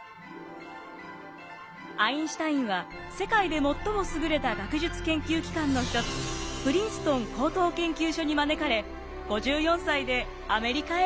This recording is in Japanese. アインシュタインは世界で最も優れた学術研究機関の一つプリンストン高等研究所に招かれ５４歳でアメリカへ移住。